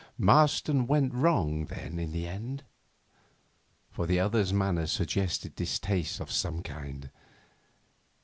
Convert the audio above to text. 'Marston went wrong, then, in the end?' for the other's manner suggested disaster of some kind.